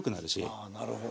ああなるほど。